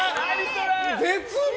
絶妙！